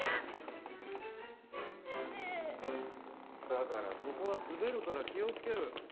だからそこは滑るから気を付ける。